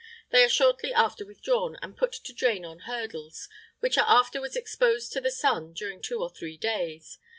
They are shortly after withdrawn, and put to drain on hurdles, which are afterwards exposed to the sun during two or three days.